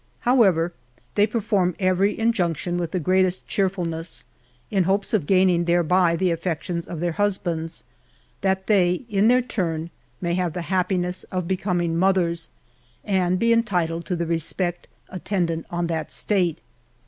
However, they perform every injunction with the greatest cheerfulness, in hopes of gaining thereby the affections of their husbands, that they in their turn may have the happiness of becoming mothers, and be entitled to the respect attendant on that state.